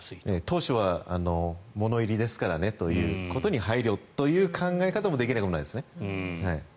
当初は物入りですからねということに配慮という考え方もできなくもないですね。